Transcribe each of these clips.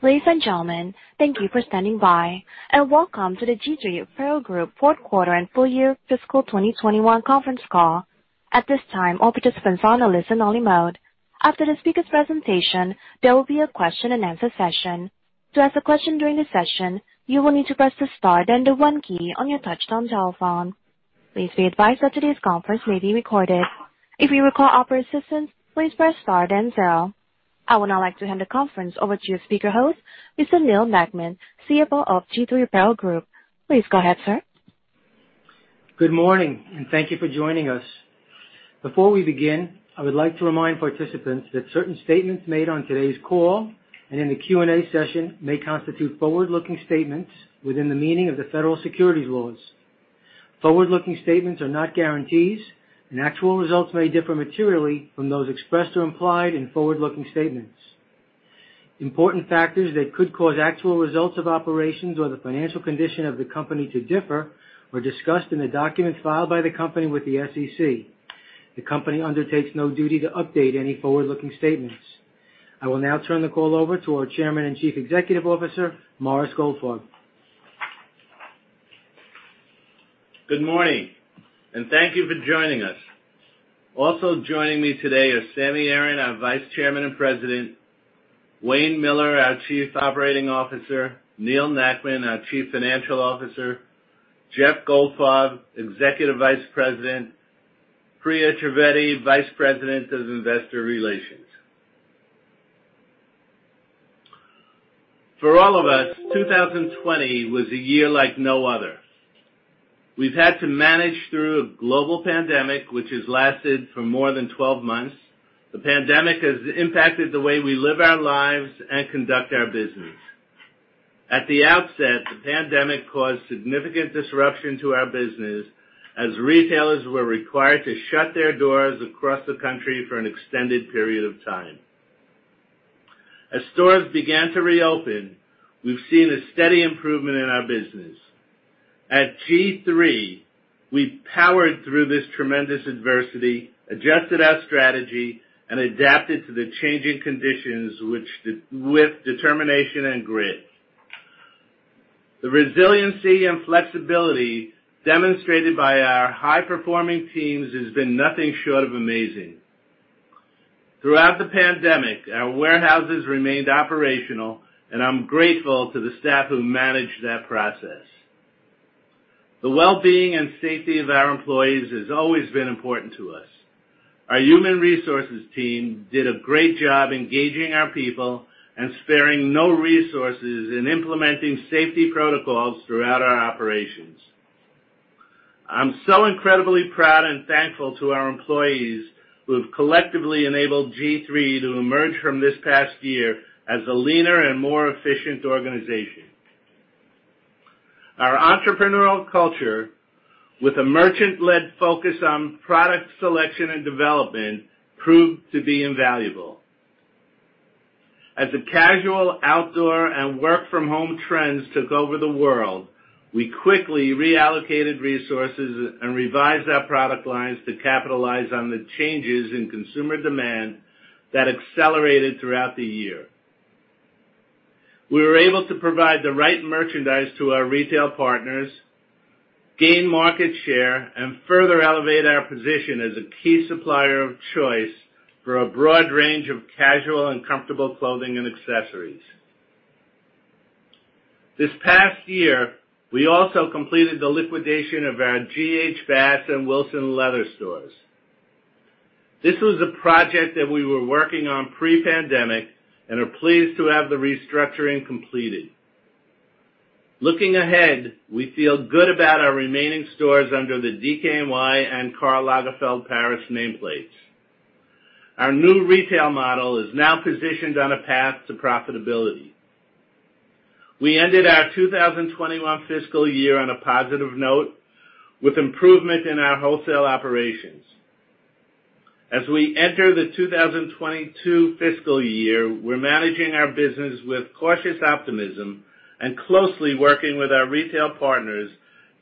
Ladies and gentlemen, thank you for standing by, and welcome to the G-III Apparel Group fourth quarter and full year fiscal 2021 conference call. At this time, all participants are on a listen only mode. After the speakers' presentation, there will be a question and answer session. To ask a question during the session, you will need to press the star, then the one key on your touchtone telephone. Please be advised that today's conference may be recorded. If you require operator assistance, please press star, then zero. I would now like to hand the conference over to your speaker host, Mr. Neal Nackman, CFO of G-III Apparel Group. Please go ahead, sir. Good morning, and thank you for joining us. Before we begin, I would like to remind participants that certain statements made on today's call, and in the Q&A session, may constitute forward-looking statements within the meaning of the federal securities laws. Forward-looking statements are not guarantees, and actual results may differ materially from those expressed or implied in forward-looking statements. Important factors that could cause actual results of operations or the financial condition of the company to differ are discussed in the documents filed by the company with the SEC. The company undertakes no duty to update any forward-looking statements. I will now turn the call over to our Chairman and Chief Executive Officer, Morris Goldfarb. Good morning. Thank you for joining us. Also joining me today are Sammy Aaron, our Vice Chairman and President, Wayne Miller, our Chief Operating Officer, Neal Nackman, our Chief Financial Officer, Jeff Goldfarb, Executive Vice President, Priya Trivedi, Vice President of Investor Relations. For all of us, 2020 was a year like no other. We've had to manage through a global pandemic, which has lasted for more than 12 months. The pandemic has impacted the way we live our lives and conduct our business. At the outset, the pandemic caused significant disruption to our business as retailers were required to shut their doors across the country for an extended period of time. As stores began to reopen, we've seen a steady improvement in our business. At G-III, we powered through this tremendous adversity, adjusted our strategy, and adapted to the changing conditions with determination and grit. The resiliency and flexibility demonstrated by our high-performing teams has been nothing short of amazing. Throughout the pandemic, our warehouses remained operational, and I'm grateful to the staff who managed that process. The wellbeing and safety of our employees has always been important to us. Our human resources team did a great job engaging our people and sparing no resources in implementing safety protocols throughout our operations. I'm so incredibly proud and thankful to our employees, who have collectively enabled G-III to emerge from this past year as a leaner and more efficient organization. Our entrepreneurial culture, with a merchant-led focus on product selection and development, proved to be invaluable. As the casual, outdoor, and work from home trends took over the world, we quickly reallocated resources and revised our product lines to capitalize on the changes in consumer demand that accelerated throughout the year. We were able to provide the right merchandise to our retail partners, gain market share, and further elevate our position as a key supplier of choice for a broad range of casual and comfortable clothing and accessories. This past year, we also completed the liquidation of our G.H. Bass and Wilsons Leather stores. This was a project that we were working on pre-pandemic, and are pleased to have the restructuring completed. Looking ahead, we feel good about our remaining stores under the DKNY and Karl Lagerfeld Paris nameplates. Our new retail model is now positioned on a path to profitability. We ended our 2021 fiscal year on a positive note with improvement in our Wholesale Operations. As we enter the 2022 fiscal year, we're managing our business with cautious optimism and closely working with our retail partners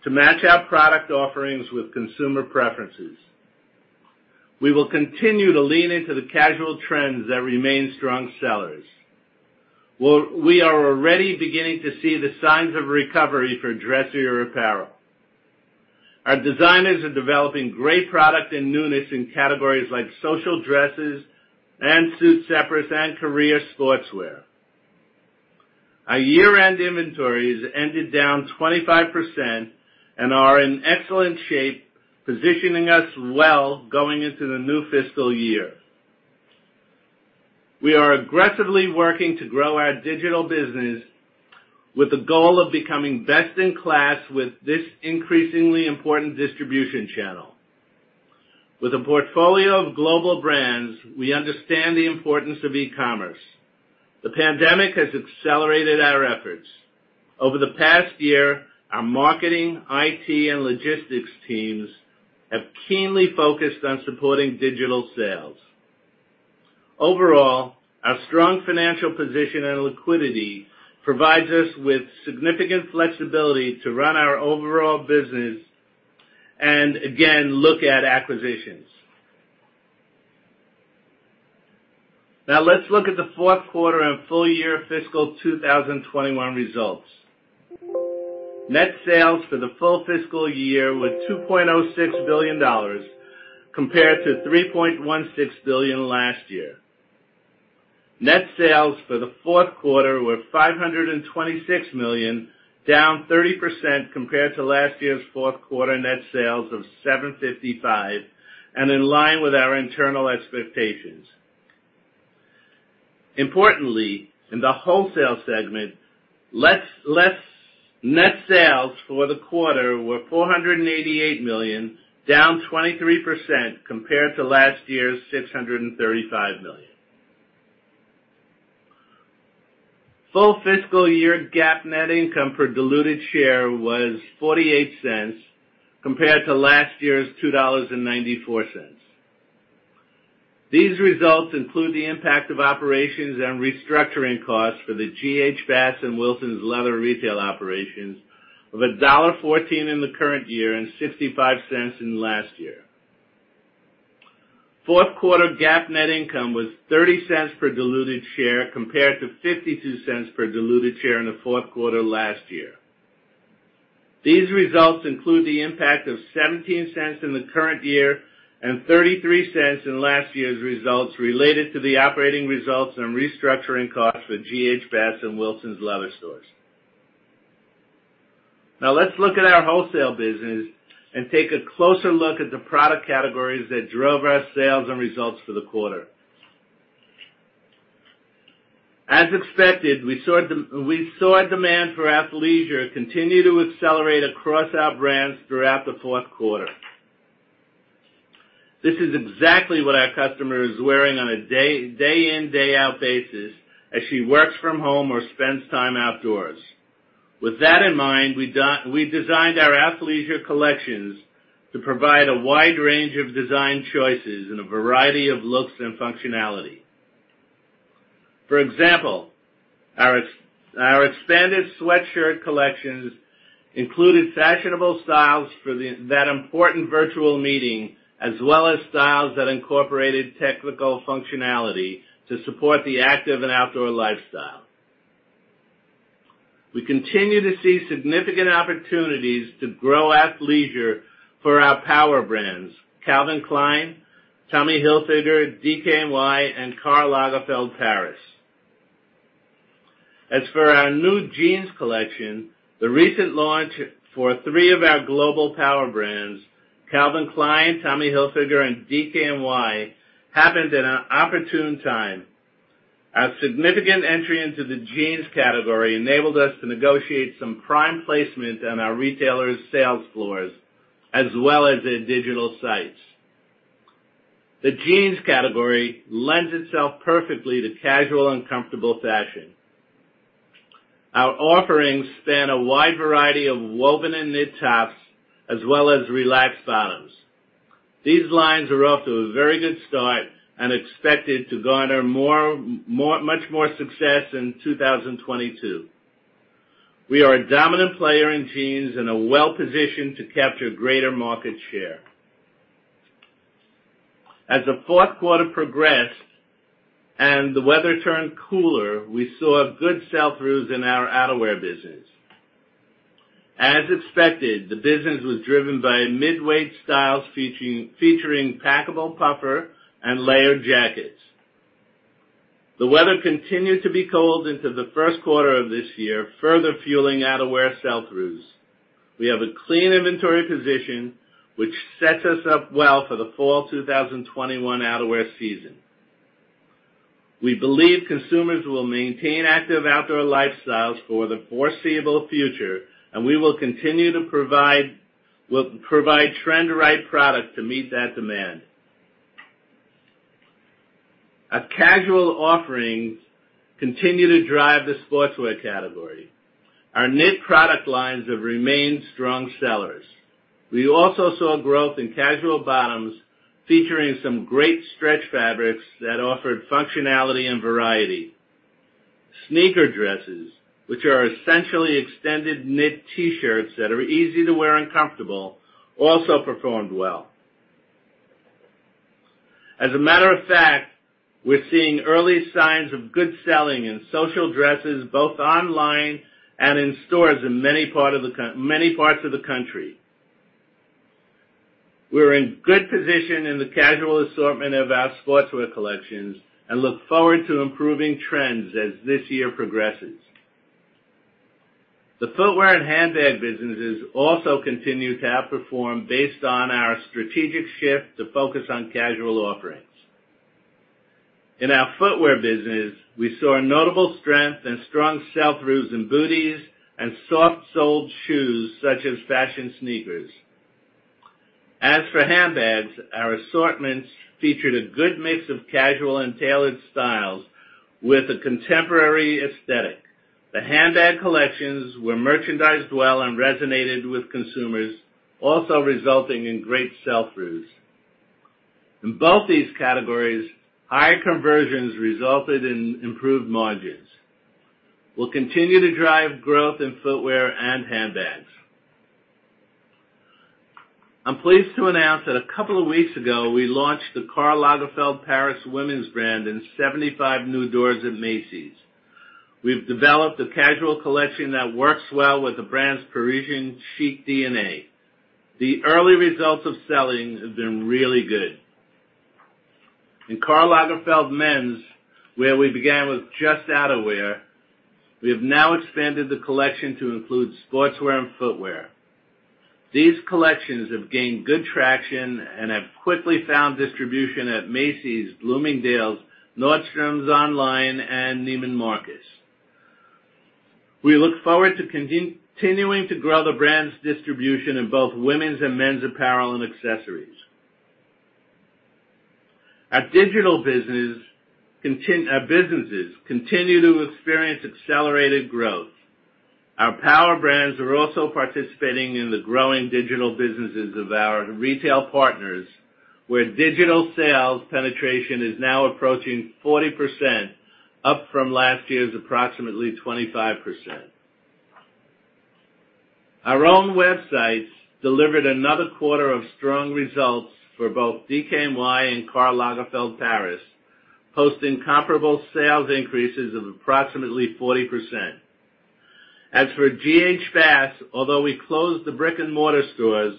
to match our product offerings with consumer preferences. We will continue to lean into the casual trends that remain strong sellers. We are already beginning to see the signs of recovery for dressier apparel. Our designers are developing great product and newness in categories like social dresses and suit separates and career sportswear. Our year-end inventories ended down 25% and are in excellent shape, positioning us well going into the new fiscal year. We are aggressively working to grow our Digital business with the goal of becoming best in class with this increasingly important distribution channel. With a portfolio of global brands, we understand the importance of e-commerce. The pandemic has accelerated our efforts. Over the past year, our marketing, IT, and logistics teams have keenly focused on supporting digital sales. Overall, our strong financial position and liquidity provides us with significant flexibility to run our overall business and again, look at acquisitions. Let's look at the fourth quarter and full year fiscal 2021 results. Net sales for the full fiscal year were $2.06 billion compared to $3.16 billion last year. Net sales for the fourth quarter were $526 million, down 30% compared to last year's fourth quarter net sales of $755 million and in line with our internal expectations. Importantly, in the wholesale segment, net sales for the quarter were $488 million, down 23% compared to last year's $635 million. Full fiscal year GAAP net income per diluted share was $0.48 compared to last year's $2.94. These results include the impact of operations and restructuring costs for the G.H. Bass & Wilsons Leather Retail Operations of $1.14 in the current year and $0.65 in last year. Fourth quarter GAAP net income was $0.30 per diluted share compared to $0.52 per diluted share in the fourth quarter last year. These results include the impact of $0.17 in the current year and $0.33 in last year's results related to the operating results and restructuring costs for G.H. Bass & Wilsons Leather stores. Now let's look at our Wholesale business and take a closer look at the product categories that drove our sales and results for the quarter. As expected, we saw demand for athleisure continue to accelerate across our brands throughout the fourth quarter. This is exactly what our customer is wearing on a day in, day out basis as she works from home or spends time outdoors. With that in mind, we designed our athleisure collections to provide a wide range of design choices in a variety of looks and functionality. For example, our expanded sweatshirt collections included fashionable styles for that important virtual meeting, as well as styles that incorporated technical functionality to support the active and outdoor lifestyle. We continue to see significant opportunities to grow athleisure for our power brands, Calvin Klein, Tommy Hilfiger, DKNY, and Karl Lagerfeld Paris. As for our new jeans collection, the recent launch for three of our global power brands, Calvin Klein, Tommy Hilfiger, and DKNY, happened at an opportune time. Our significant entry into the jeans category enabled us to negotiate some prime placement on our retailers' sales floors, as well as their digital sites. The jeans category lends itself perfectly to casual and comfortable fashion. Our offerings span a wide variety of woven and knit tops, as well as relaxed bottoms. These lines are off to a very good start and expected to garner much more success in 2022. We are a dominant player in jeans and are well-positioned to capture greater market share. As the fourth quarter progressed and the weather turned cooler, we saw good sell-throughs in our Outerwear business. As expected, the business was driven by mid-weight styles featuring packable puffer and layered jackets. The weather continued to be cold into the first quarter of this year, further fueling outerwear sell-throughs. We have a clean inventory position, which sets us up well for the fall 2021 outerwear season. We believe consumers will maintain active outdoor lifestyles for the foreseeable future, and we will continue to provide trend-right product to meet that demand. Our casual offerings continue to drive the sportswear category. Our knit product lines have remained strong sellers. We also saw growth in casual bottoms featuring some great stretch fabrics that offered functionality and variety. Sneaker dresses, which are essentially extended knit T-shirts that are easy to wear and comfortable, also performed well. As a matter of fact, we're seeing early signs of good selling in social dresses, both online and in stores in many parts of the country. We're in good position in the casual assortment of our sportswear collections and look forward to improving trends as this year progresses. The Footwear and Handbag businesses also continue to outperform based on our strategic shift to focus on casual offerings. In our Footwear business, we saw notable strength and strong sell-throughs in booties and soft-soled shoes such as fashion sneakers. As for Handbags, our assortments featured a good mix of casual and tailored styles with a contemporary aesthetic. The handbag collections were merchandised well and resonated with consumers, also resulting in great sell-throughs. In both these categories, higher conversions resulted in improved margins. We'll continue to drive growth in footwear and handbags. I'm pleased to announce that a couple of weeks ago, we launched the Karl Lagerfeld Paris women's brand in 75 new doors at Macy's. We've developed a casual collection that works well with the brand's Parisian chic DNA. The early results of selling have been really good. In Karl Lagerfeld men's, where we began with just outerwear, we have now expanded the collection to include sportswear and footwear. These collections have gained good traction and have quickly found distribution at Macy's, Bloomingdale's, Nordstrom online, and Neiman Marcus. We look forward to continuing to grow the brand's distribution in both women's and men's apparel and accessories. Our Digital businesses continue to experience accelerated growth. Our power brands are also participating in the growing Digital businesses of our retail partners, where digital sales penetration is now approaching 40%, up from last year's approximately 25%. Our own websites delivered another quarter of strong results for both DKNY and Karl Lagerfeld Paris, hosting comparable sales increases of approximately 40%. As for G.H. Bass, although we closed the brick-and-mortar stores,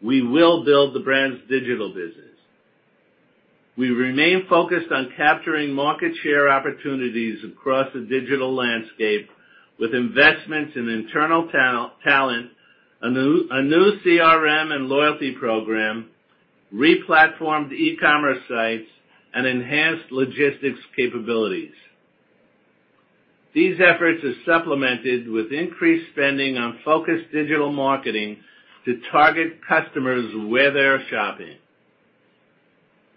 we will build the brand's Digital business. We remain focused on capturing market share opportunities across the digital landscape with investments in internal talent, a new CRM and loyalty program, re-platformed e-commerce sites, and enhanced logistics capabilities. These efforts are supplemented with increased spending on focused digital marketing to target customers where they're shopping.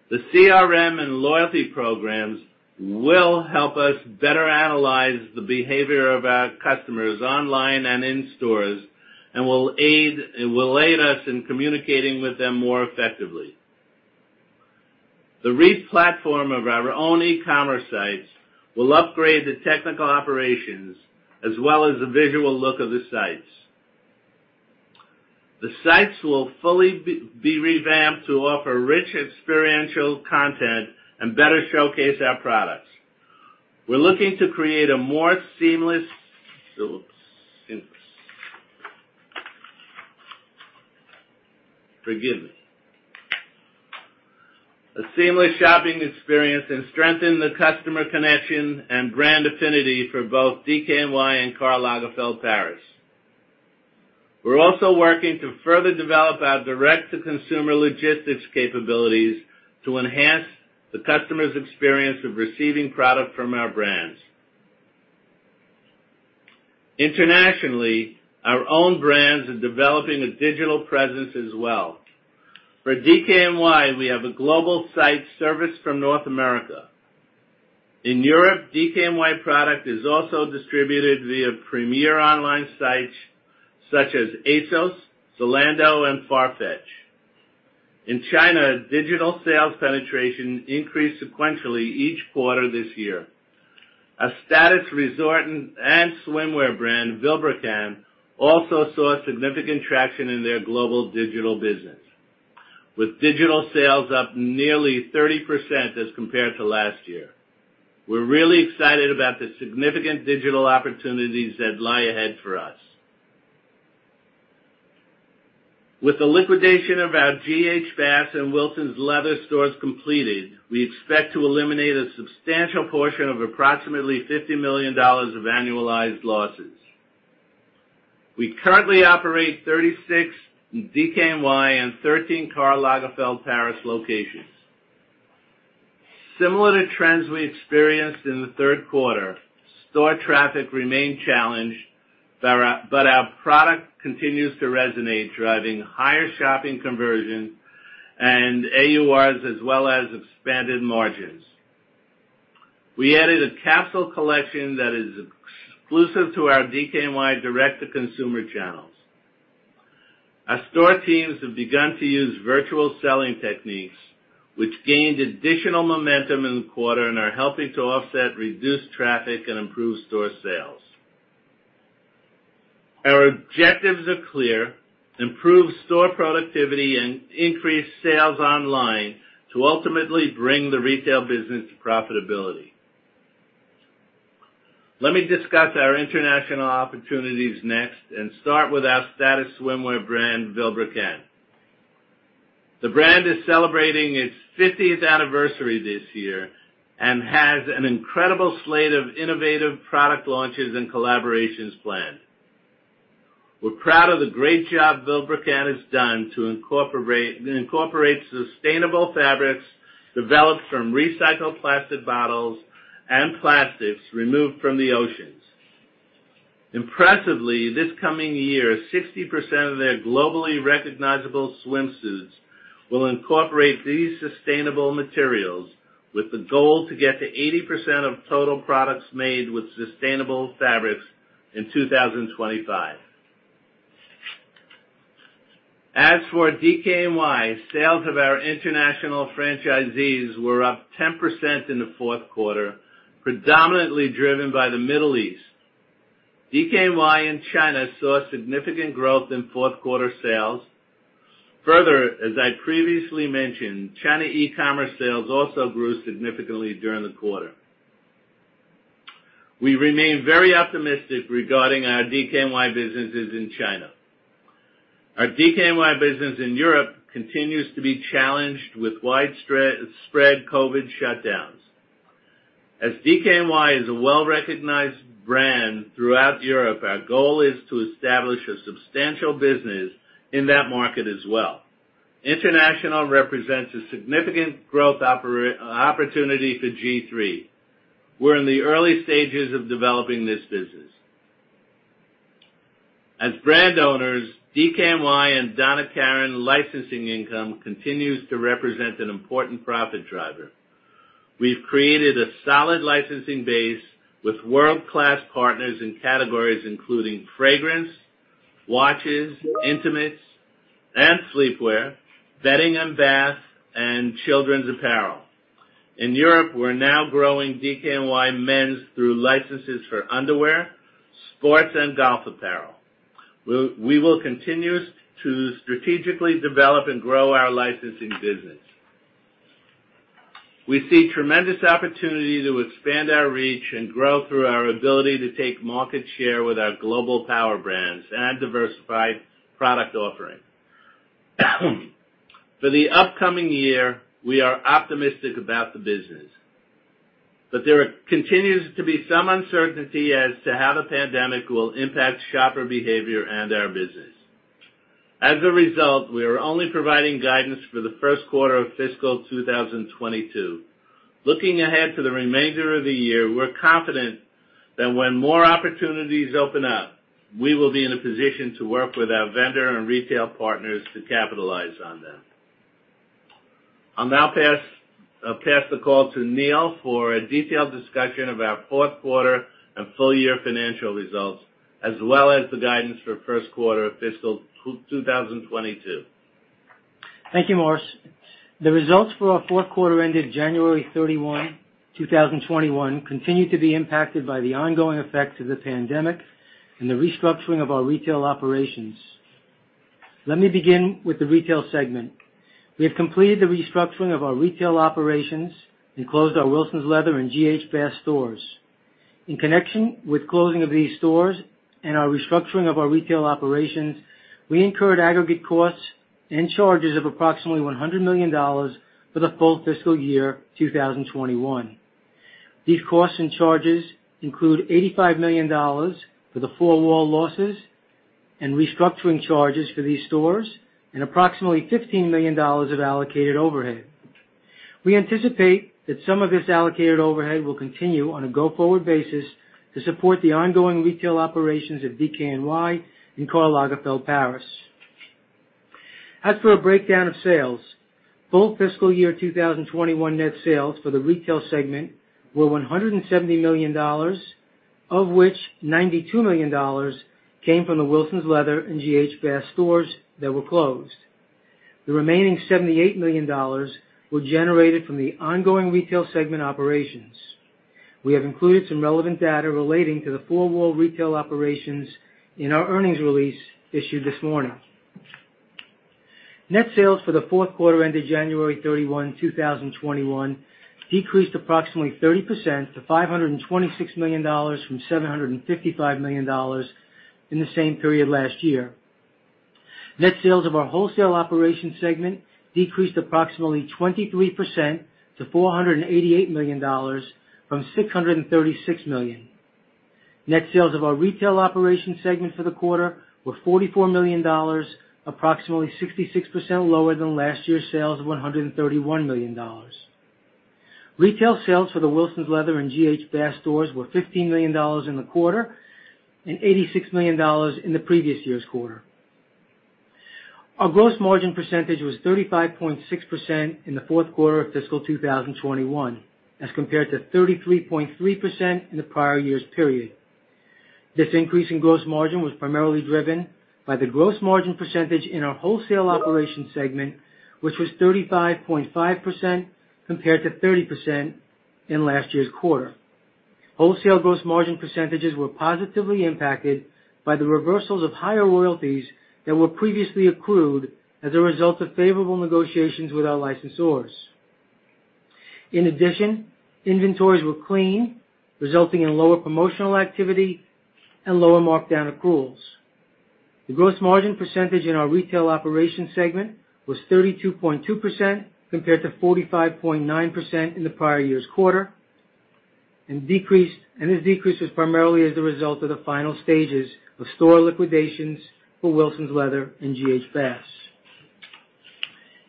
The CRM and loyalty programs will help us better analyze the behavior of our customers online and in stores, and will aid us in communicating with them more effectively. The re-platform of our own e-commerce sites will upgrade the technical operations as well as the visual look of the sites. The sites will fully be revamped to offer rich experiential content and better showcase our products. We're looking to create a more seamless shopping experience and strengthen the customer connection and brand affinity for both DKNY and Karl Lagerfeld Paris. We're also working to further develop our direct-to-consumer logistics capabilities to enhance the customer's experience of receiving product from our brands. Internationally, our own brands are developing a digital presence as well. For DKNY, we have a global site serviced from North America. In Europe, DKNY product is also distributed via premier online sites such as ASOS, Zalando, and Farfetch. In China, digital sales penetration increased sequentially each quarter this year. A status resort and swimwear brand, Vilebrequin, also saw significant traction in their global Digital business, with digital sales up nearly 30% as compared to last year. We're really excited about the significant digital opportunities that lie ahead for us. With the liquidation of our G.H. Bass and Wilsons Leather stores completed, we expect to eliminate a substantial portion of approximately $50 million of annualized losses. We currently operate 36 DKNY and 13 Karl Lagerfeld Paris locations. Similar to trends we experienced in the third quarter, store traffic remained challenged, but our product continues to resonate, driving higher shopping conversion and AURs, as well as expanded margins. We added a capsule collection that is exclusive to our DKNY direct-to-consumer channels. Our store teams have begun to use virtual selling techniques, which gained additional momentum in the quarter and are helping to offset reduced traffic and improve store sales. Our objectives are clear: improve store productivity and increase sales online to ultimately bring the retail business to profitability. Let me discuss our international opportunities next and start with our status swimwear brand, Vilebrequin. The brand is celebrating its 50th anniversary this year and has an incredible slate of innovative product launches and collaborations planned. We're proud of the great job Vilebrequin has done to incorporate sustainable fabrics developed from recycled plastic bottles and plastics removed from the oceans. Impressively, this coming year, 60% of their globally recognizable swimsuits will incorporate these sustainable materials with the goal to get to 80% of total products made with sustainable fabrics in 2025. As for DKNY, sales of our international franchisees were up 10% in the fourth quarter. Predominantly driven by the Middle East. DKNY in China saw significant growth in fourth quarter sales. Further, as I previously mentioned, China e-commerce sales also grew significantly during the quarter. We remain very optimistic regarding our DKNY businesses in China. Our DKNY business in Europe continues to be challenged with widespread COVID shutdowns. As DKNY is a well-recognized brand throughout Europe, our goal is to establish a substantial business in that market as well. International represents a significant growth opportunity for G-III. We're in the early stages of developing this business. As brand owners, DKNY and Donna Karan licensing income continues to represent an important profit driver. We've created a solid licensing base with world-class partners in categories including fragrance, watches, intimates and sleepwear, bedding and bath, and children's apparel. In Europe, we're now growing DKNY men's through licenses for underwear, sports, and golf apparel. We will continue to strategically develop and grow our licensing business. We see tremendous opportunity to expand our reach and grow through our ability to take market share with our global power brands and our diversified product offering. For the upcoming year, we are optimistic about the business. There continues to be some uncertainty as to how the pandemic will impact shopper behavior and our business. As a result, we are only providing guidance for the first quarter of fiscal 2022. Looking ahead to the remainder of the year, we're confident that when more opportunities open up, we will be in a position to work with our vendor and retail partners to capitalize on them. I'll now pass the call to Neal for a detailed discussion of our fourth quarter and full year financial results, as well as the guidance for first quarter of fiscal 2022. Thank you, Morris. The results for our fourth quarter ended January 31, 2021, continued to be impacted by the ongoing effects of the pandemic and the restructuring of our Retail Operations. Let me begin with the retail segment. We have completed the restructuring of our Retail Operations and closed our Wilsons Leather and G.H. Bass stores. In connection with closing of these stores and our restructuring of our Retail Operations, we incurred aggregate costs and charges of approximately $100 million for the full fiscal year 2021. These costs and charges include $85 million for the four wall losses and restructuring charges for these stores, and approximately $15 million of allocated overhead. We anticipate that some of this allocated overhead will continue on a go-forward basis to support the ongoing Retail Operations of DKNY and Karl Lagerfeld Paris. As for a breakdown of sales, full fiscal year 2021 net sales for the retail segment were $170 million, of which $92 million came from the Wilsons Leather and G.H. Bass stores that were closed. The remaining $78 million were generated from the ongoing retail segment operations. We have included some relevant data relating to the four-wall Retail Operations in our earnings release issued this morning. Net sales for the fourth quarter ended January 31, 2021, decreased approximately 30% to $526 million from $755 million in the same period last year. Net sales of our Wholesale Operation segment decreased approximately 23% to $488 million from $636 million. Net sales of our Retail Operation segment for the quarter were $44 million, approximately 66% lower than last year's sales of $131 million. Retail sales for the Wilsons Leather and G.H. Bass stores were $15 million in the quarter and $86 million in the previous year's quarter. Our gross margin percentage was 35.6% in the fourth quarter of fiscal 2021 as compared to 33.3% in the prior year's period. This increase in gross margin was primarily driven by the gross margin percentage in our Wholesale Operation segment, which was 35.5% compared to 30% in last year's quarter. Wholesale gross margin percentages were positively impacted by the reversals of higher royalties that were previously accrued as a result of favorable negotiations with our licensors. In addition, inventories were clean, resulting in lower promotional activity and lower markdown accruals. The gross margin percentage in our Retail operation segment was 32.2% compared to 45.9% in the prior year's quarter. This decrease was primarily as a result of the final stages of store liquidations for Wilsons Leather and G.H. Bass.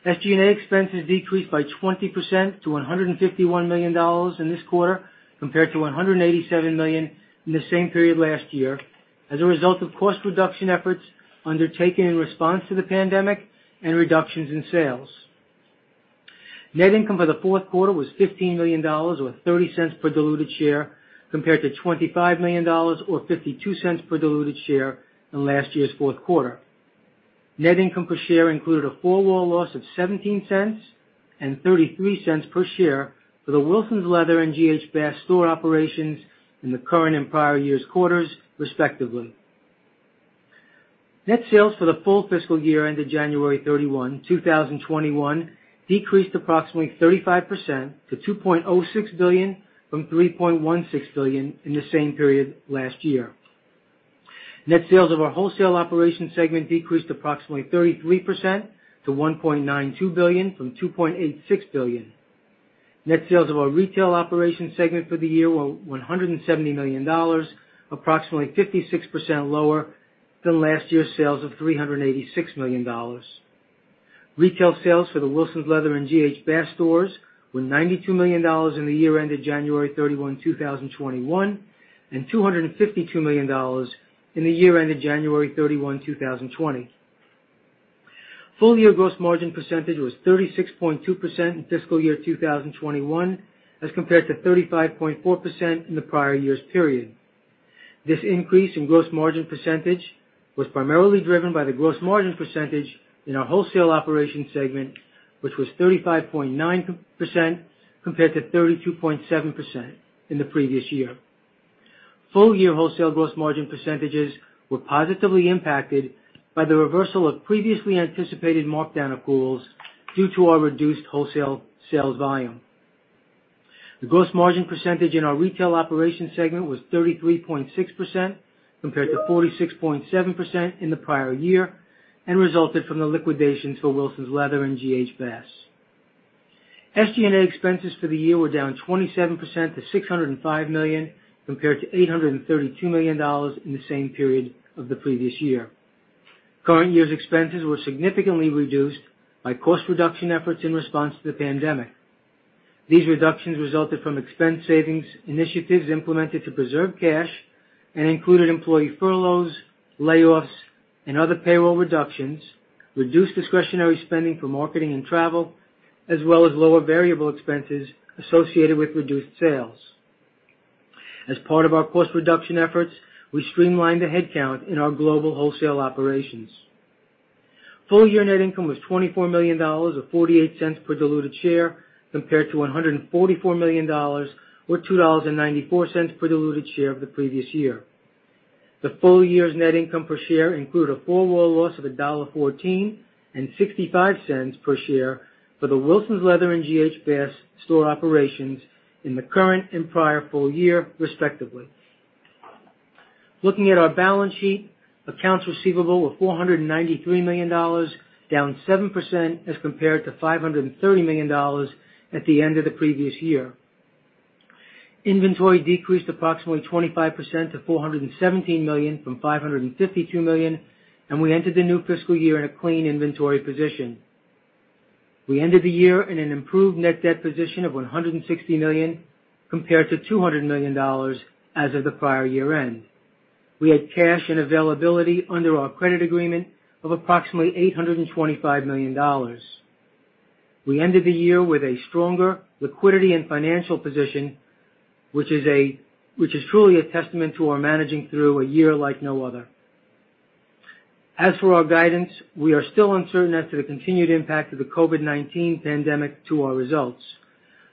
SG&A expenses decreased by 20% to $151 million in this quarter, compared to $187 million in the same period last year, as a result of cost reduction efforts undertaken in response to the pandemic and reductions in sales. Net income for the fourth quarter was $15 million, or $0.30 per diluted share, compared to $25 million or $0.52 per diluted share in last year's fourth quarter. Net income per share included a four wall loss of $0.17 and $0.33 per share for the Wilsons Leather and G.H. Bass store operations in the current and prior year's quarters, respectively. Net sales for the full fiscal year ended January 31, 2021, decreased approximately 35% to $2.06 billion from $3.16 billion in the same period last year. Net sales of our Wholesale Operation segment decreased approximately 33% to $1.92 billion from $2.86 billion. Net sales of our Retail Operation segment for the year were $170 million, approximately 56% lower than last year's sales of $386 million. Retail sales for the Wilsons Leather and G.H. Bass stores were $92 million in the year ended January 31, 2021, and $252 million in the year ended January 31, 2020. Full year gross margin percentage was 36.2% in fiscal year 2021 as compared to 35.4% in the prior year's period. This increase in gross margin percentage was primarily driven by the gross margin percentage in our Wholesale Operation segment, which was 35.9% compared to 32.7% in the previous year. Full year wholesale gross margin percentages were positively impacted by the reversal of previously anticipated markdown accruals due to our reduced wholesale sales volume. The gross margin percentage in our Retail Operation segment was 33.6%, compared to 46.7% in the prior year, and resulted from the liquidations for Wilsons Leather and G.H. Bass. SG&A expenses for the year were down 27% to $605 million, compared to $832 million in the same period of the previous year. Current year's expenses were significantly reduced by cost reduction efforts in response to the pandemic. These reductions resulted from expense savings initiatives implemented to preserve cash and included employee furloughs, layoffs, and other payroll reductions, reduced discretionary spending for marketing and travel, as well as lower variable expenses associated with reduced sales. As part of our cost reduction efforts, we streamlined the headcount in our global Wholesale Operations. Full year net income was $24 million, or $0.48 per diluted share, compared to $144 million or $2.94 per diluted share of the previous year. The full year's net income per share included a four wall loss of $1.14 and $0.65 per share for the Wilsons Leather and G.H. Bass store operations in the current and prior full year, respectively. Looking at our balance sheet, accounts receivable were $493 million, down 7% as compared to $530 million at the end of the previous year. Inventory decreased approximately 25% to $417 million from $552 million. We entered the new fiscal year in a clean inventory position. We ended the year in an improved net debt position of $160 million compared to $200 million as of the prior year-end. We had cash and availability under our credit agreement of approximately $825 million. We ended the year with a stronger liquidity and financial position, which is truly a testament to our managing through a year like no other. As for our guidance, we are still uncertain as to the continued impact of the COVID-19 pandemic to our results.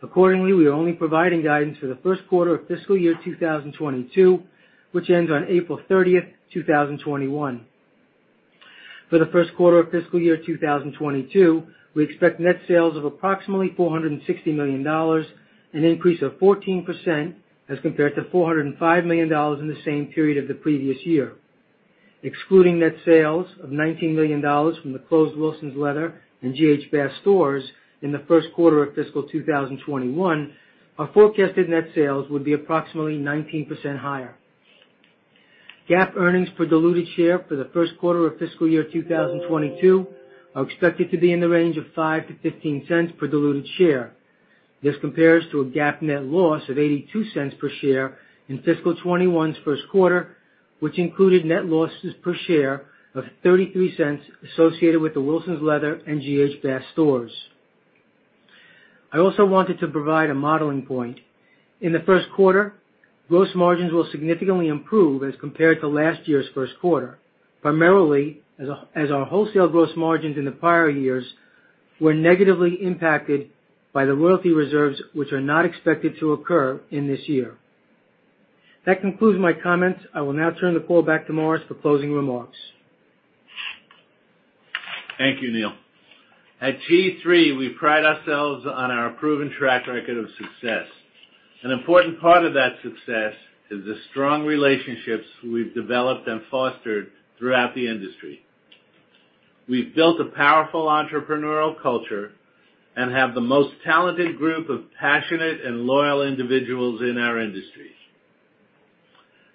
Accordingly, we are only providing guidance for the first quarter of fiscal year 2022, which ends on April 30, 2021. For the first quarter of fiscal year 2022, we expect net sales of approximately $460 million, an increase of 14% as compared to $405 million in the same period of the previous year. Excluding net sales of $19 million from the closed Wilsons Leather and G.H. Bass stores in the first quarter of fiscal 2021, our forecasted net sales would be approximately 19% higher. GAAP earnings per diluted share for the first quarter of fiscal year 2022 are expected to be in the range of $0.05-$0.15 per diluted share. This compares to a GAAP net loss of $0.82 per share in fiscal 2021's first quarter, which included net losses per share of $0.33 associated with the Wilsons Leather and G.H. Bass stores. I also wanted to provide a modeling point. In the first quarter, gross margins will significantly improve as compared to last year's first quarter. Primarily, as our wholesale gross margins in the prior years were negatively impacted by the royalty reserves, which are not expected to occur in this year. That concludes my comments. I will now turn the call back to Morris for closing remarks. Thank you, Neal. At G-III, we pride ourselves on our proven track record of success. An important part of that success is the strong relationships we've developed and fostered throughout the industry. We've built a powerful entrepreneurial culture and have the most talented group of passionate and loyal individuals in our industries.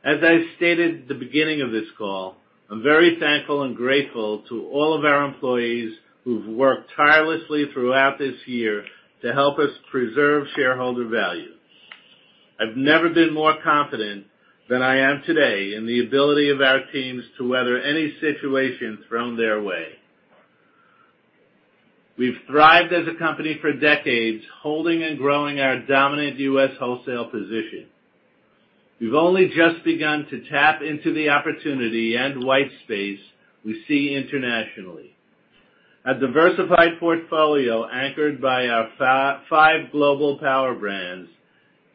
As I stated at the beginning of this call, I'm very thankful and grateful to all of our employees who've worked tirelessly throughout this year to help us preserve shareholder value. I've never been more confident than I am today in the ability of our teams to weather any situation thrown their way. We've thrived as a company for decades, holding and growing our dominant U.S. wholesale position. We've only just begun to tap into the opportunity and white space we see internationally. A diversified portfolio anchored by our five global power brands,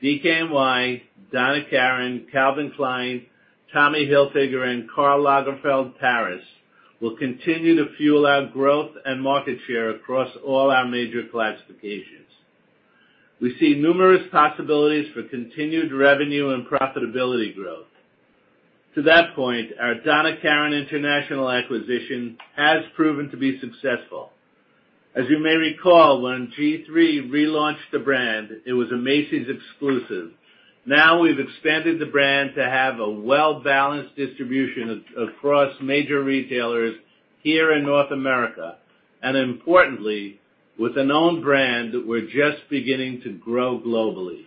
DKNY, Donna Karan, Calvin Klein, Tommy Hilfiger, and Karl Lagerfeld Paris, will continue to fuel our growth and market share across all our major classifications. We see numerous possibilities for continued revenue and profitability growth. To that point, our Donna Karan International acquisition has proven to be successful. As you may recall, when G-III relaunched the brand, it was a Macy's exclusive. Now we've expanded the brand to have a well-balanced distribution across major retailers here in North America, and importantly, with an own brand that we're just beginning to grow globally.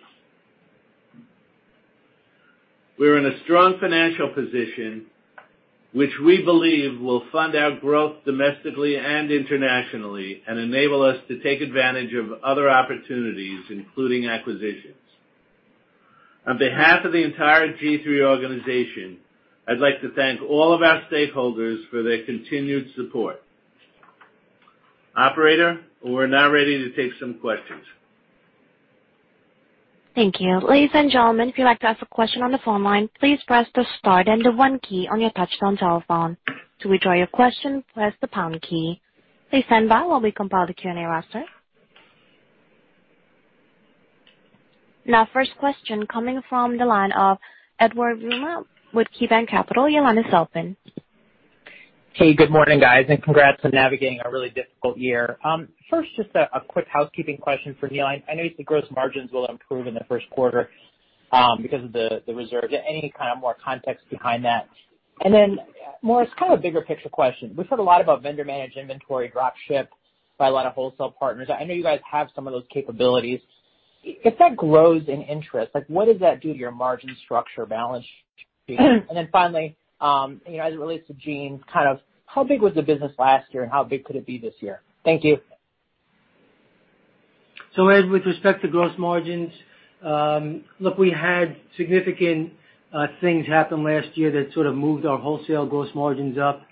We're in a strong financial position, which we believe will fund our growth domestically and internationally and enable us to take advantage of other opportunities, including acquisitions. On behalf of the entire G-III organization, I'd like to thank all of our stakeholders for their continued support. Operator, we're now ready to take some questions. First question coming from the line of Edward Yruma with KeyBanc Capital. Your line is open. Hey, good morning, guys, and congrats on navigating a really difficult year. First, just a quick housekeeping question for Neal. I know you said gross margins will improve in the first quarter because of the reserve. Any kind of more context behind that? Then Morris, kind of a bigger picture question. We've heard a lot about vendor managed inventory, drop ship by a lot of wholesale partners. I know you guys have some of those capabilities. If that grows in interest, what does that do to your margin structure balance sheet? Then finally, as it relates to jeans, how big was the business last year, and how big could it be this year? Thank you. Ed, with respect to gross margins, look, we had significant things happen last year that sort of moved our wholesale gross margins up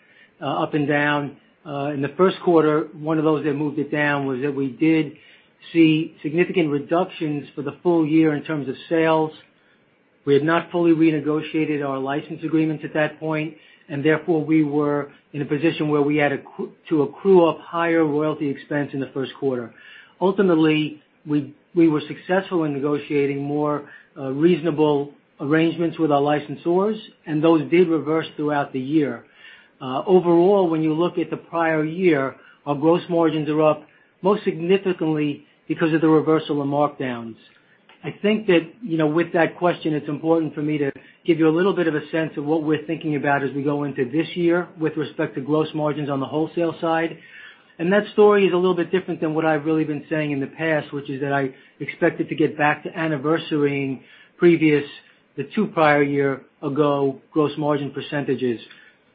and down. In the first quarter, one of those that moved it down was that we did see significant reductions for the full year in terms of sales. We had not fully renegotiated our license agreements at that point, therefore we were in a position where we had to accrue up higher royalty expense in the first quarter. Ultimately, we were successful in negotiating more reasonable arrangements with our licensors, those did reverse throughout the year. When you look at the prior year, our gross margins are up most significantly because of the reversal of markdowns. I think that with that question, it's important for me to give you a little bit of a sense of what we're thinking about as we go into this year with respect to gross margins on the wholesale side. That story is a little bit different than what I've really been saying in the past, which is that I expect it to get back to anniversarying previous, the two prior year ago gross margin percentages.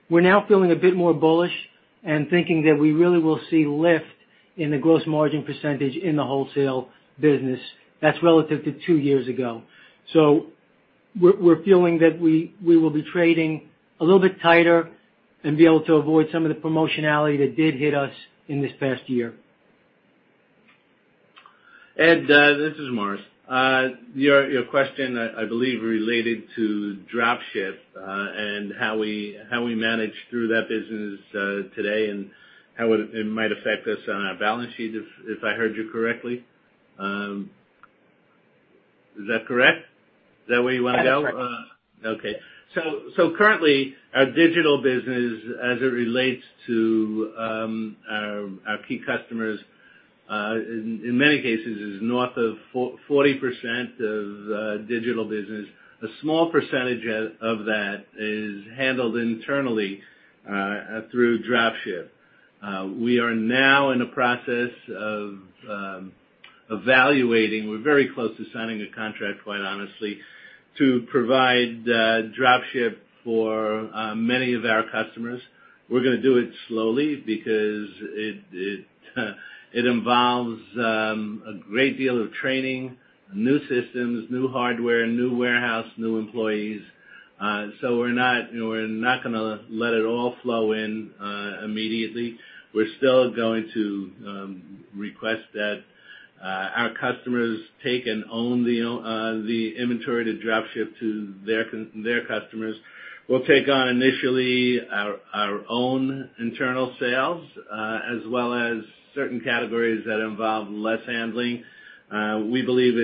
We're now feeling a bit more bullish and thinking that we really will see lift in the gross margin percentage in the Wholesale business that's relative to two years ago. We're feeling that we will be trading a little bit tighter and be able to avoid some of the promotionality that did hit us in this past year. Ed, this is Morris. Your question, I believe, related to drop ship, and how we manage through that business today, and how it might affect us on our balance sheet, if I heard you correctly. Is that correct? Is that what you wanted to cover? That is correct. Okay. Currently, our Digital business, as it relates to our key customers, in many cases, is north of 40% of Digital business. A small percentage of that is handled internally through drop ship. We are now in the process of evaluating. We're very close to signing a contract, quite honestly, to provide drop ship for many of our customers. We're gonna do it slowly because it involves a great deal of training, new systems, new hardware, new warehouse, new employees. We're still going to request that our customers take and own the inventory to drop ship to their customers. We'll take on initially our own internal sales, as well as certain categories that involve less handling. We believe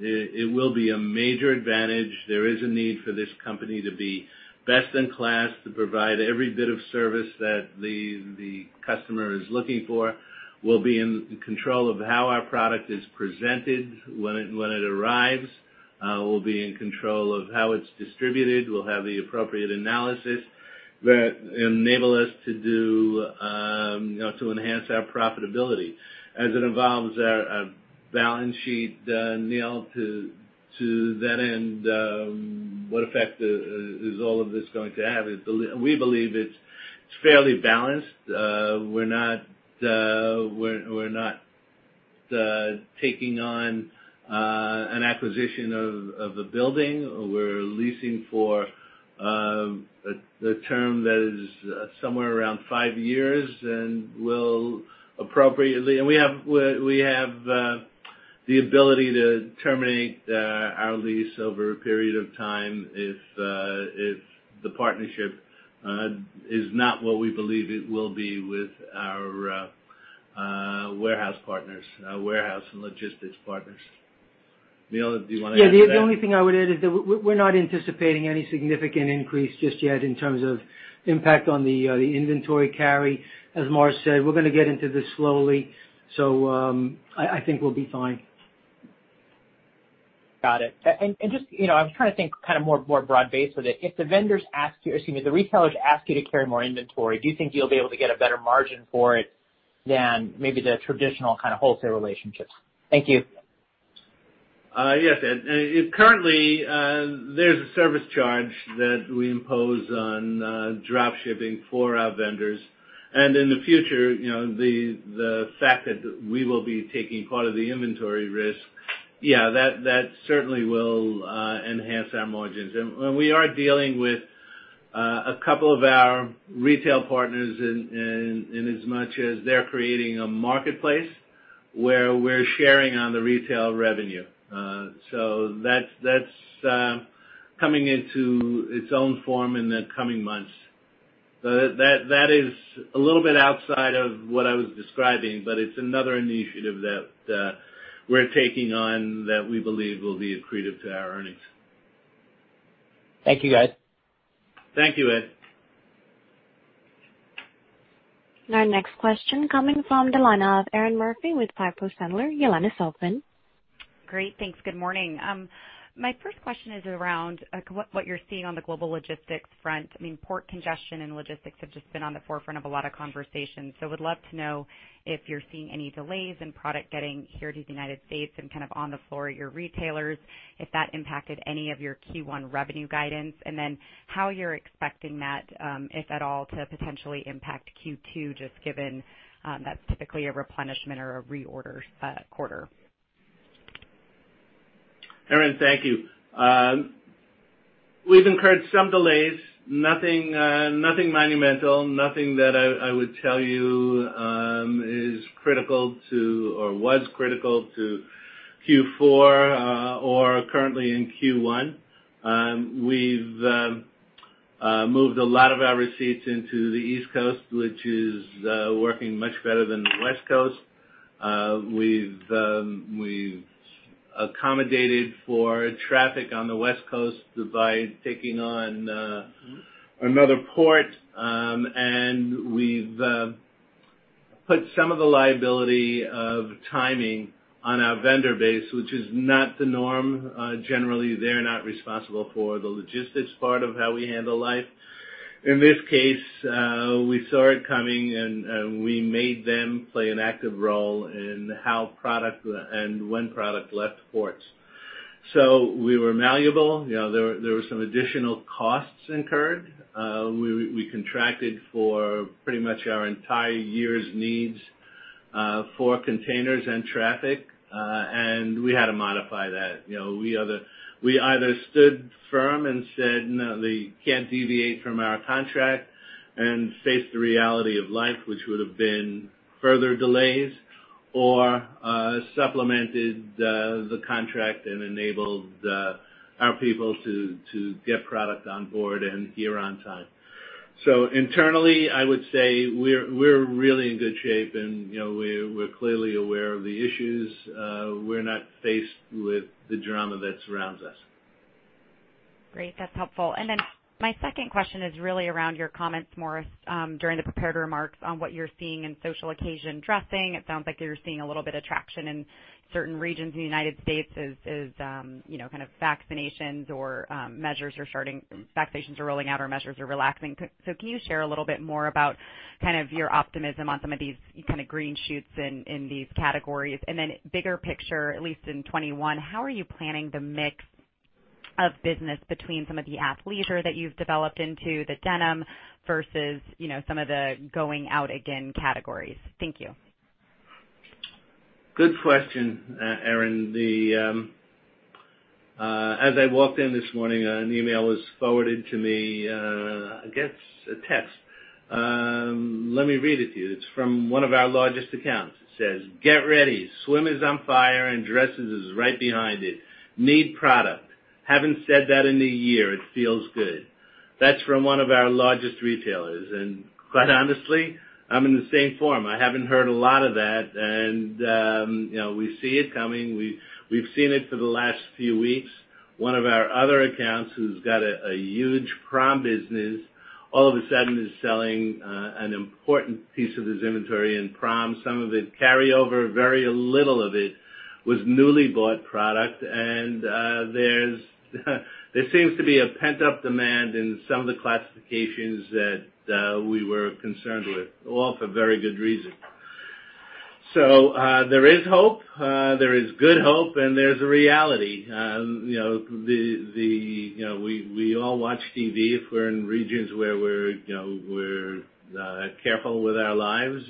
it will be a major advantage. There is a need for this company to be best in class to provide every bit of service that the customer is looking for. We'll be in control of how our product is presented when it arrives. We'll be in control of how it's distributed. We'll have the appropriate analysis that enable us to enhance our profitability. As it involves our balance sheet, Neal, to that end, what effect is all of this going to have? We believe it's fairly balanced. We're not taking on an acquisition of a building. We're leasing for a term that is somewhere around five years and we have the ability to terminate our lease over a period of time if the partnership is not what we believe it will be with our warehouse partners, our warehouse and logistics partners. Neal, do you want to add to that? Yeah. The only thing I would add is that we're not anticipating any significant increase just yet in terms of impact on the inventory carry. As Morris said, we're going to get into this slowly, so I think we'll be fine. Got it. I'm trying to think more broad-based with it. If the retailers ask you to carry more inventory, do you think you'll be able to get a better margin for it than maybe the traditional kind of wholesale relationships? Thank you. Yes. Currently, there's a service charge that we impose on drop shipping for our vendors. In the future, the fact that we will be taking part of the inventory risk, that certainly will enhance our margins. We are dealing with a couple of our retail partners in as much as they're creating a marketplace where we're sharing on the retail revenue. That's coming into its own form in the coming months. That is a little bit outside of what I was describing, but it's another initiative that we're taking on that we believe will be accretive to our earnings. Thank you, guys. Thank you, Ed. Our next question coming from the line of Erinn Murphy with Piper Sandler. Your line is open. Great. Thanks. Good morning. My first question is around what you're seeing on the global logistics front. Port congestion and logistics have just been on the forefront of a lot of conversations. Would love to know if you're seeing any delays in product getting here to the United States and on the floor at your retailers, if that impacted any of your Q1 revenue guidance, how you're expecting that, if at all, to potentially impact Q2, just given that's typically a replenishment or a reorder quarter. Erinn, thank you. We've incurred some delays. Nothing monumental. Nothing that I would tell you is critical to, or was critical to Q4, or currently in Q1. We've moved a lot of our receipts into the East Coast, which is working much better than the West Coast. We've accommodated for traffic on the West Coast by taking on another port. We've put some of the liability of timing on our vendor base, which is not the norm. Generally, they're not responsible for the logistics part of how we handle life. In this case, we saw it coming, and we made them play an active role in how product and when product left ports. We were malleable. There were some additional costs incurred. We contracted for pretty much our entire year's needs for containers and traffic. We had to modify that. We either stood firm and said, "No, they can't deviate from our contract," and faced the reality of life, which would've been further delays, or supplemented the contract and enabled our people to get product on board and here on time. Internally, I would say we're really in good shape and we're clearly aware of the issues. We're not faced with the drama that surrounds us. Great. That's helpful. My second question is really around your comments, Morris, during the prepared remarks on what you're seeing in social occasion dressing. It sounds like you're seeing a little bit of traction in certain regions in the U.S. as vaccinations are rolling out or measures are relaxing. Can you share a little bit more about your optimism on some of these green shoots in these categories? Bigger picture, at least in 2021, how are you planning the mix of business between some of the athleisure that you've developed into the denim versus some of the going out again categories? Thank you. Good question, Erinn. As I walked in this morning, an email was forwarded to me, I guess a text. Let me read it to you. It's from one of our largest accounts. It says, "Get ready. Swim is on fire and dresses is right behind it. Need product. Haven't said that in a year. It feels good." That's from one of our largest retailers, and quite honestly, I'm in the same forum. I haven't heard a lot of that and we see it coming. We've seen it for the last few weeks. One of our other accounts who's got a huge prom business, all of a sudden is selling an important piece of his inventory in prom. Some of it carryover, very little of it was newly bought product. There seems to be a pent-up demand in some of the classifications that we were concerned with, all for very good reason. There is hope. There is good hope, and there's a reality. We all watch TV if we're in regions where we're careful with our lives.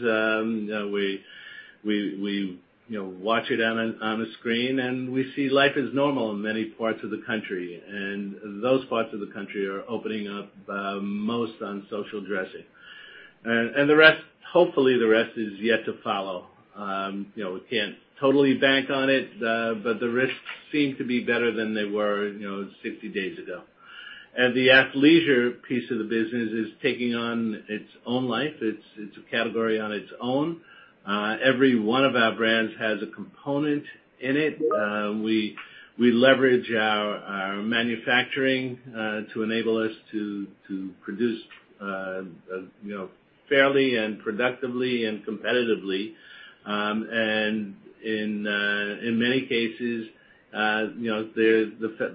We watch it on a screen, and we see life is normal in many parts of the country, and those parts of the country are opening up most on social dressing. Hopefully, the rest is yet to follow. We can't totally bank on it, but the risks seem to be better than they were, 60 days ago. The athleisure piece of the business is taking on its own life. It's a category on its own. Every one of our brands has a component in it. We leverage our manufacturing to enable us to produce fairly and productively and competitively. In many cases,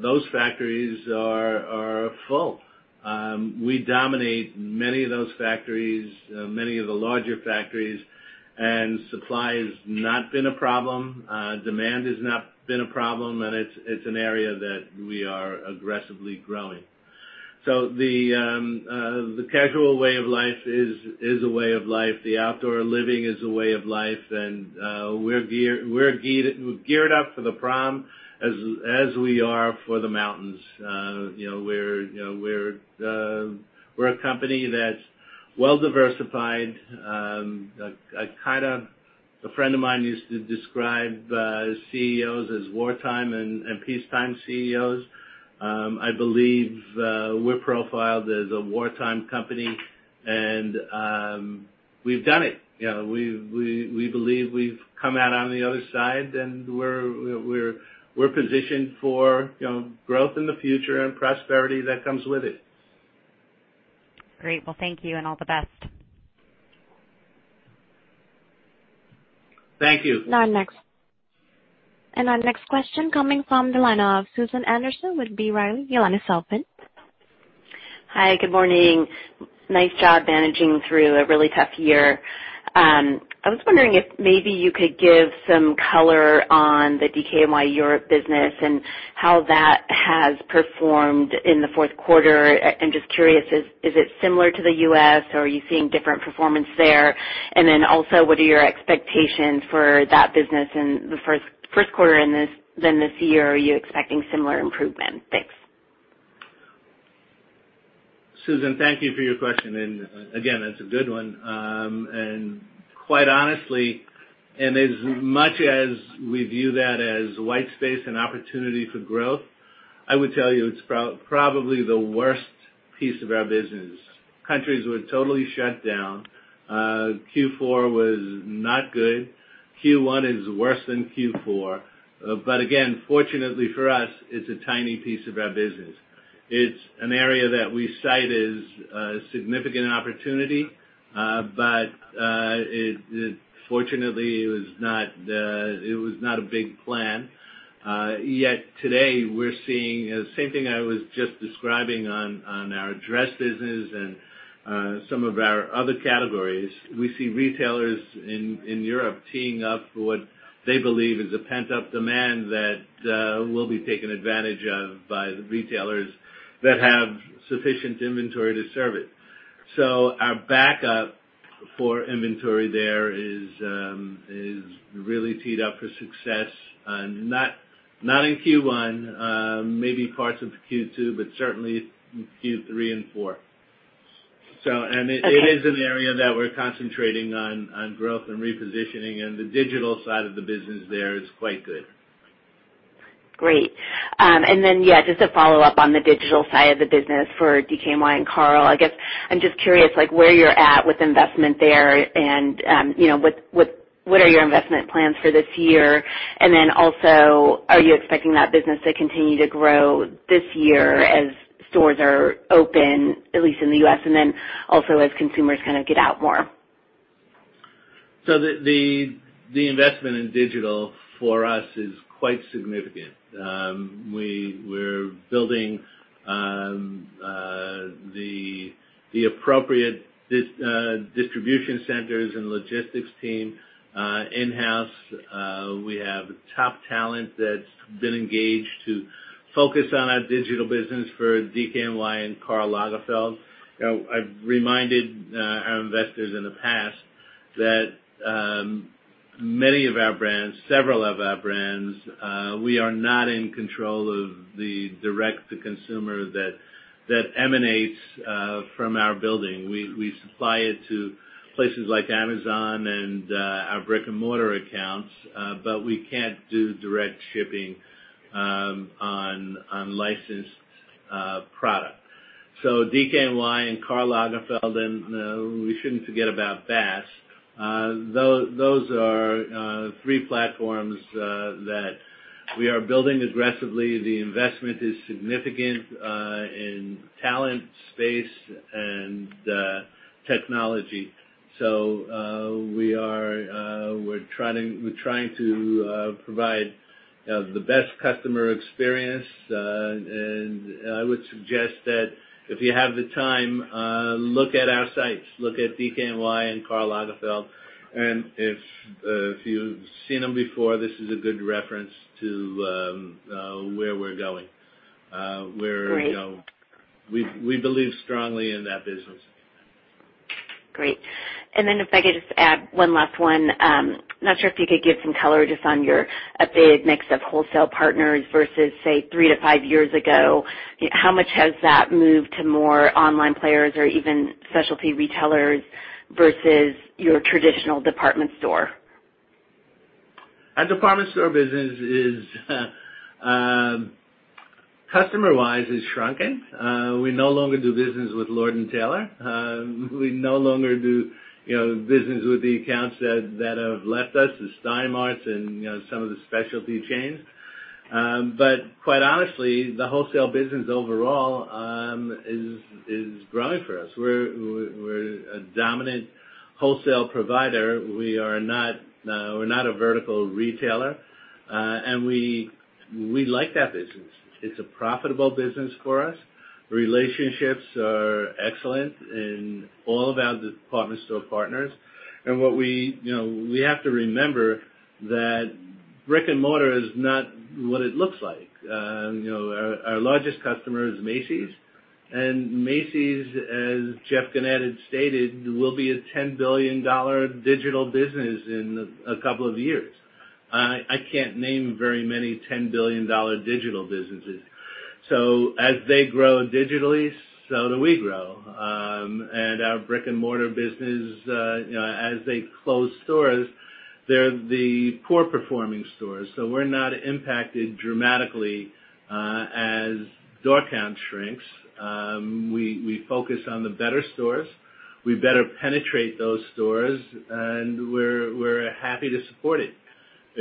those factories are full. We dominate many of those factories, many of the larger factories, and supply has not been a problem. Demand has not been a problem, and it's an area that we are aggressively growing. The casual way of life is a way of life. The outdoor living is a way of life, and we're geared up for the prom as we are for the mountains. We're a company that's well diversified. A friend of mine used to describe CEOs as wartime and peacetime CEOs. I believe we're profiled as a wartime company, and we've done it. We believe we've come out on the other side, and we're positioned for growth in the future and prosperity that comes with it. Great. Well, thank you, and all the best. Thank you. Our next question coming from the line of Susan Anderson with B. Riley. Your line is open. Hi, good morning. Nice job managing through a really tough year. I was wondering if maybe you could give some color on the DKNY Europe business and how that has performed in the fourth quarter. I'm just curious, is it similar to the U.S. or are you seeing different performance there? What are your expectations for that business in the first quarter this year? Are you expecting similar improvement? Thanks. Susan, thank you for your question, and again, it's a good one. Quite honestly, and as much as we view that as white space and opportunity for growth, I would tell you it's probably the worst piece of our business. Countries were totally shut down. Q4 was not good. Q1 is worse than Q4. Again, fortunately for us, it's a tiny piece of our business. It's an area that we cite as a significant opportunity. Fortunately, it was not a big plan. Yet today we're seeing the same thing I was just describing on our dress business and some of our other categories. We see retailers in Europe teeing up for what they believe is a pent-up demand that will be taken advantage of by the retailers that have sufficient inventory to serve it. Our backup for inventory there is really teed up for success. Not in Q1, maybe parts of Q2, but certainly Q3 and four. It is an area that we're concentrating on growth and repositioning, and the digital side of the business there is quite good. Great. Then, yeah, just a follow-up on the digital side of the business for DKNY and Karl. I guess I'm just curious, where you're at with investment there and what are your investment plans for this year? Then also, are you expecting that business to continue to grow this year as stores are open, at least in the U.S., and then also as consumers kind of get out more? The investment in digital for us is quite significant. We're building the appropriate distribution centers and logistics team in-house. We have top talent that's been engaged to focus on our Digital business for DKNY and Karl Lagerfeld. I've reminded our investors in the past that many of our brands, several of our brands, we are not in control of the direct-to-consumer that emanates from our building. We supply it to places like Amazon and our brick-and-mortar accounts. We can't do direct shipping on licensed product. DKNY and Karl Lagerfeld, and we shouldn't forget about Bass. Those are three platforms that we are building aggressively. The investment is significant in talent, space, and technology. We're trying to provide the best customer experience. I would suggest that if you have the time, look at our sites. Look at DKNY and Karl Lagerfeld. If you've seen them before, this is a good reference to where we're going. Great. We believe strongly in that business. Great. If I could just add one last one. Not sure if you could give some color just on your updated mix of wholesale partners versus, say, three to five years ago. How much has that moved to more online players or even specialty retailers versus your traditional Department Store? Our Department Store business, customer-wise, is shrunken. We no longer do business with Lord & Taylor. We no longer do business with the accounts that have left us, Stein Mart and some of the specialty chains. Quite honestly, the Wholesale business overall is growing for us. We're a dominant wholesale provider. We're not a vertical retailer. We like that business. It's a profitable business for us. Relationships are excellent in all of our Department Store partners. We have to remember that brick and mortar is not what it looks like. Our largest customer is Macy's, and Macy's, as Jeff Gennette had stated, will be a $10 billion Digital business in a couple of years. I can't name very many $10 billion Digital businesses. As they grow digitally, so do we grow. Our Brick and Mortar business, as they close stores, they're the poor performing stores. We're not impacted dramatically as door count shrinks. We focus on the better stores. We better penetrate those stores, and we're happy to support it.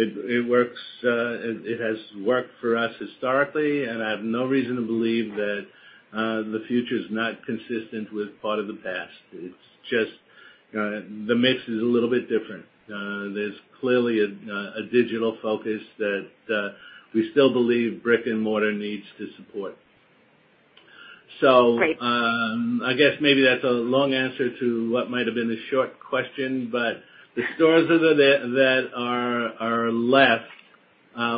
It has worked for us historically, and I have no reason to believe that the future's not consistent with part of the past. It's just the mix is a little bit different. There's clearly a digital focus that we still believe brick and mortar needs to support. Great. I guess maybe that's a long answer to what might've been a short question, but the stores that are left,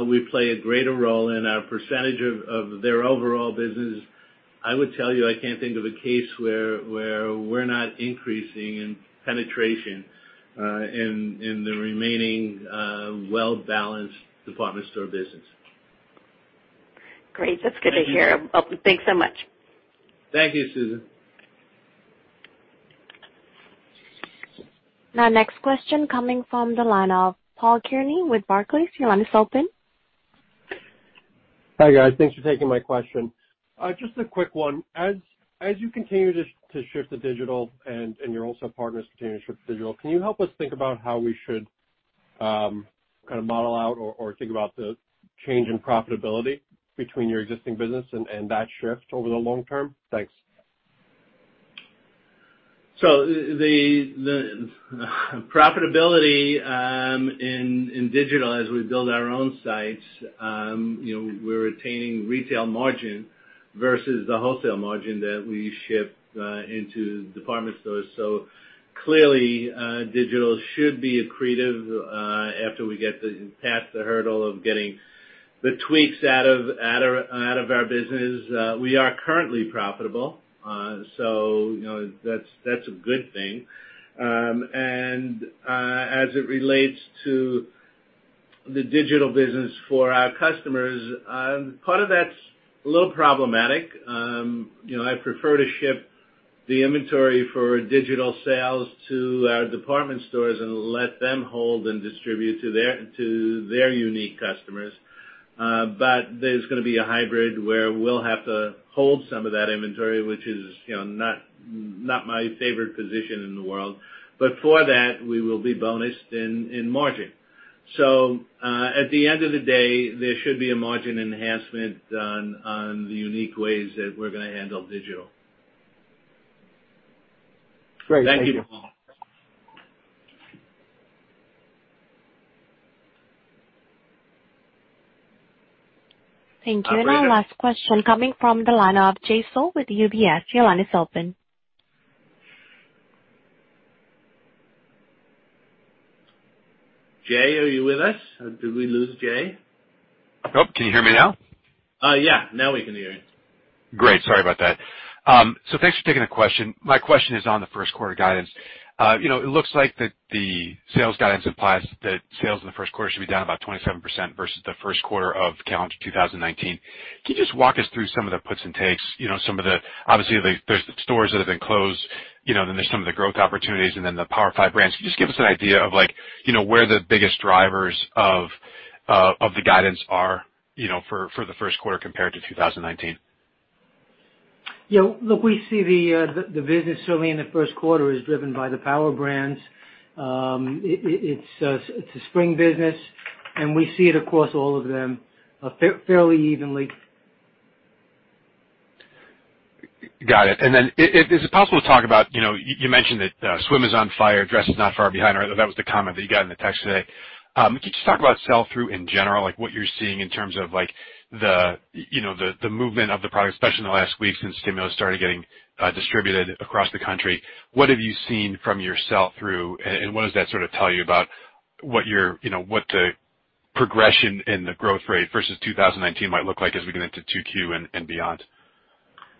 we play a greater role in our percentage of their overall business. I would tell you, I can't think of a case where we're not increasing in penetration in the remaining well-balanced Department Store business. Great. That's good to hear. Thanks so much. Thank you, Susan. Next question coming from the line of Paul Kearney with Barclays. Your line is open. Hi, guys. Thanks for taking my question. Just a quick one. As you continue to shift to digital and your wholesale partners continue to shift to digital, can you help us think about how we should kind of model out or think about the change in profitability between your existing business and that shift over the long term? Thanks. The profitability in digital as we build our own sites, we're retaining retail margin versus the wholesale margin that we ship into Department Stores. Clearly, digital should be accretive after we get past the hurdle of getting the tweaks out of our business. We are currently profitable, so that's a good thing. As it relates to the Digital business for our customers, part of that's a little problematic. I'd prefer to ship the inventory for digital sales to our Department Stores and let them hold and distribute to their unique customers. There's going to be a hybrid where we'll have to hold some of that inventory, which is not my favorite position in the world. For that, we will be bonused in margin. At the end of the day, there should be a margin enhancement on the unique ways that we're going to handle digital. Great. Thank you. Thank you, Paul. Thank you. Our last question coming from the line of Jay Sole with UBS. Your line is open. Jay, are you with us? Did we lose Jay? Nope. Can you hear me now? Yeah. Now we can hear you. Great. Sorry about that. Thanks for taking the question. My question is on the first quarter guidance. It looks like that the sales guidance implies that sales in the first quarter should be down about 27% versus the first quarter of calendar 2019. Can you just walk us through some of the puts and takes? Obviously, there's the stores that have been closed, then there's some of the growth opportunities and then the Power Five brands. Can you just give us an idea of where the biggest drivers of the guidance are for the first quarter compared to 2019? Look, we see the business certainly in the first quarter is driven by the Power Brands. It's a spring business and we see it across all of them fairly evenly. Got it. Is it possible to talk about, you mentioned that swim is on fire, dress is not far behind, or that was the comment that you got in the text today. Could you just talk about sell-through in general, like what you're seeing in terms of the movement of the product, especially in the last week since stimulus started getting distributed across the country. What have you seen from your sell-through, and what does that sort of tell you about what the progression and the growth rate versus 2019 might look like as we get into 2Q and beyond?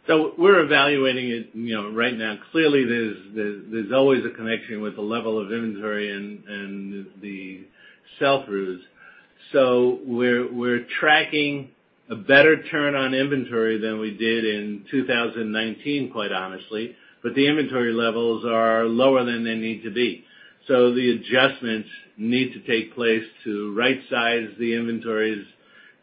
We're evaluating it right now. Clearly, there's always a connection with the level of inventory and the sell-throughs. We're tracking a better turn on inventory than we did in 2019, quite honestly. The inventory levels are lower than they need to be. The adjustments need to take place to rightsize the inventories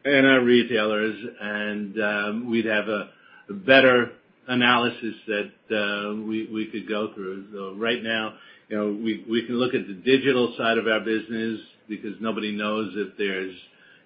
and our retailers, and we'd have a better analysis that we could go through. Right now, we can look at the digital side of our business because nobody knows if there's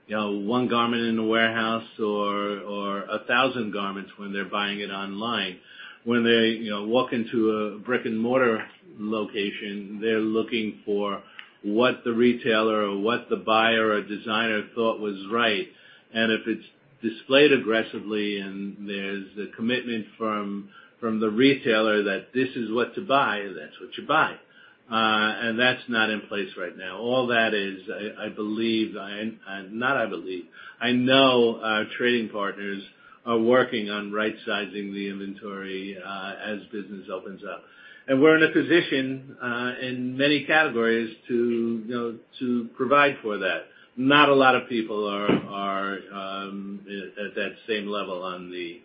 one garment in the warehouse or a thousand garments when they're buying it online. When they walk into a brick-and-mortar location, they're looking for what the retailer or what the buyer or designer thought was right. If it's displayed aggressively and there's a commitment from the retailer that this is what to buy, that's what you buy. That's not in place right now. All that is, I believe, not I believe, I know our trading partners are working on rightsizing the inventory as business opens up. We're in a position, in many categories, to provide for that. Not a lot of people are at that same level on the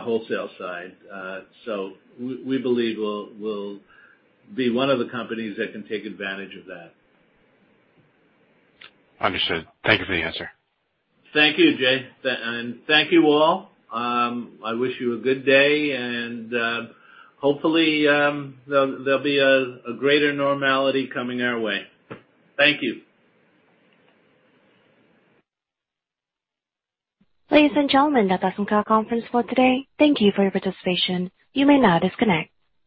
wholesale side. We believe we'll be one of the companies that can take advantage of that. Understood. Thank you for the answer. Thank you, Jay. Thank you all. I wish you a good day, and hopefully, there'll be a greater normality coming our way. Thank you. Ladies and gentlemen, that does end our conference call today. Thank you for your participation. You may now disconnect.